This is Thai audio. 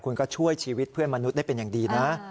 คุณก็ช่วยชีวิตเพื่อนมนุษย์ได้เป็นอย่างดีนะ